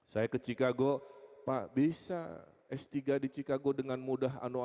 saya ke chicago pak bisa s tiga di chicago dengan mudah